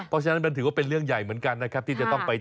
กล่อนึ๋บเลยนะตุ๊กแก่อาจจะบอกให้